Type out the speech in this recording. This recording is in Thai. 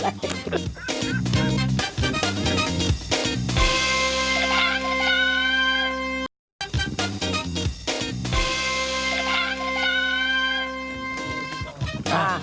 ไปต่อแล้ว